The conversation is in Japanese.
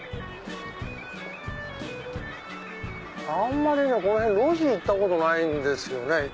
あんまりこの辺路地行ったことないんですよね。